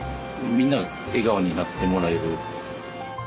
みんな笑顔になってもらえる。